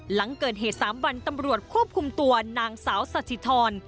หลังเกิดเหตุ๓วันตำรวจควบคุมตัวนางสาวสถิธร